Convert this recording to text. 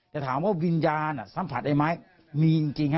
แต่ถามว่าวิญญาณสัมผัสได้ไหมมีจริงฮะ